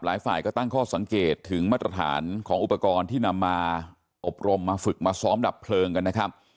หลายฝ่ายก็ตั้งข้อสังเกตถึงมาตรฐานของอุปกรณ์ที่นำมาอบรมมาฝึกมาซ้อมดับเพลิงกันนะครับ